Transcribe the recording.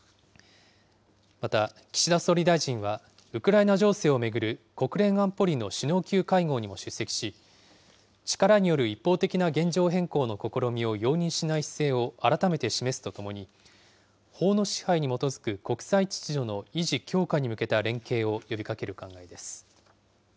また、岸田総理大臣はウクライナ情勢を巡る国連安保理の首脳級会合にも出席し、力による一方的な現状変更の試みを容認しない姿勢を改めて示すとともに、法の支配に基づく国際秩序の維持・強化に向けた連携を呼びかける考えです。